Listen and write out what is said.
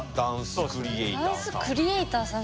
ダンスクリエイターさん。